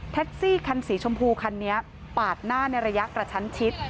แท็กซี่คันสีชมพูคันนี้ปาดหน้าในระยะกระชั้นชิด